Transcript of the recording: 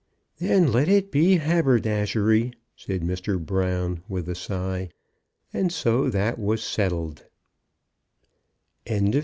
"Then let it be haberdashery," said Mr. Brown, with a sigh. And so that was settled.